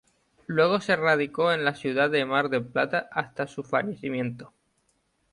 Luego se radicó en la ciudad de Mar del Plata hasta su fallecimiento.